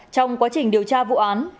trong quá trình điều tra vụ án hiếu đảm bảo